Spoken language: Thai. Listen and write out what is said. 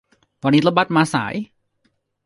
วันนี้รถบัสมาสาย